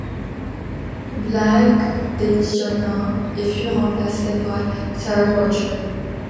Black démissionna, et fut remplacé par Terry Butcher.